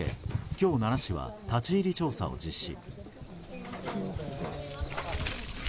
今日、奈良市は立ち入り調査を実施。